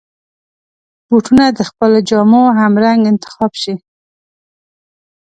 بوټونه د خپلو جامو همرنګ انتخاب شي.